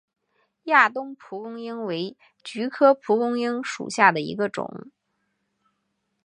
亚东蒲公英为菊科蒲公英属下的一个种。